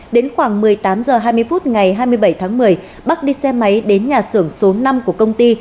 đến khoảng một mươi tám h hai mươi phút ngày hai mươi bảy tháng một mươi bắc đi xe máy đến nhà xưởng số năm của công ty